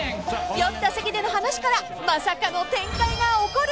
［酔った席での話からまさかの展開が起こる夜］